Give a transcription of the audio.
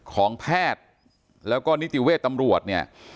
ของแพทย์แล้วก็นิติเวชตำรวจเนี่ย